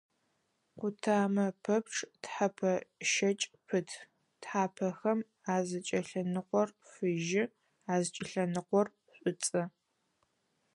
Къутамэ пэпчъ тхьэпэ щэкӀ пыт, тхьапэхэм азыкӀэлъэныкъор фыжьы, азыкӀэлъэныкъор шӀуцӀэ.